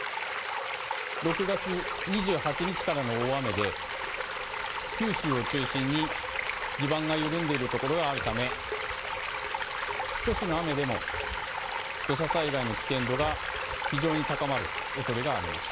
６月２８日からの大雨で九州を中心に地盤が緩んでいるところがあるため、少しの雨でも土砂災害の危険度が非常に高まるおそれがある。